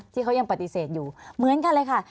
ที่เขายังปฏิเสธอยู่เหมือนกันเลยค่ะ